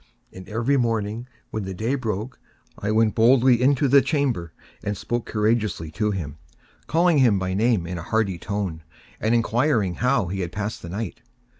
And every morning, when the day broke, I went boldly into the chamber, and spoke courageously to him, calling him by name in a hearty tone, and inquiring how he has passed the night.